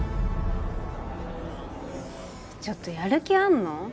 ちょっとやる気あんの？